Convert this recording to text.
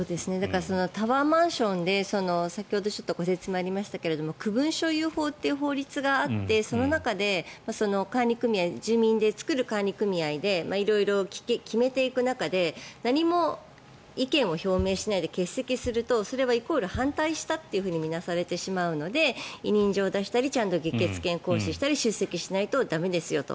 タワーマンションで先ほどご説明ありましたが区分所有法という法律があってその中で住民で作る管理組合で色々決めていく中で何も意見を表明しないで欠席するとそれはイコール反対したと見なされてしまうので委任状を出したりちゃんと議決権を行使したり出席しないと駄目ですよと。